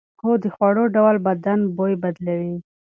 هو، د خوړو ډول بدن بوی بدلوي.